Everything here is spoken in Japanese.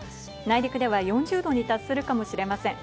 内陸では４０度に達するかもしれません。